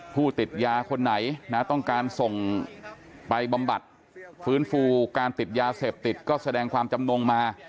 ผู้ติดยาคนไหนนะต้องการส่งไปบำบัดฟื้นฟูการติดยาเสพติดก็แสดงความจำนงมา